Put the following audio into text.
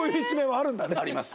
あります。